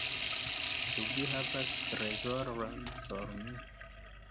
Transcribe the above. Ĉu vi havas trezoron por mi?"